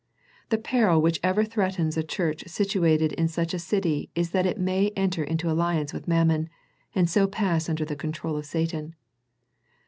The peril which ever threatens a church situated in such a city is that it may enter into alliance with Mammon, and so pass under the control of Satan.